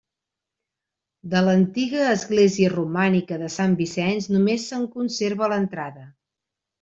De l'antiga església romànica de Sant Vicenç només se'n conserva l'entrada.